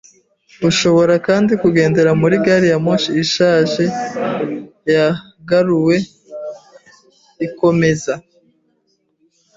Urashobora kandi kugendera muri gari ya moshi ishaje, yagaruwe, ikomeza.